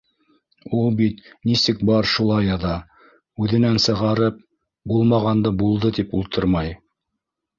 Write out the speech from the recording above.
Ул бит нисек бар, шулай яҙа, үҙенән сығарып, булмағанды булды тип ултырмай.